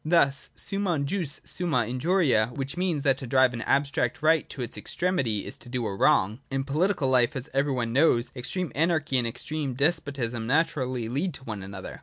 Thus summum jus sumtna injuria : which means, that to drive an abstract right to its extremity is to do a wrong. In political life as every one knows, extreme anarchy and extreme despot 8i.J DIALECTIC AND SCEPTICISM. 151 ism naturally lead to one another.